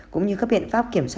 cũng như các biện pháp kiểm tra